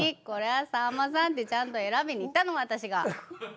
これはさんまさんってちゃんと選びに行ったの私が。